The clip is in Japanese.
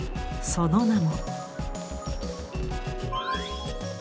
その名も。